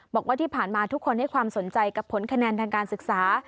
บอกว่าที่ผ่านมาทุกคนให้ความสนใจกับผลคะแนนทางการศึกษา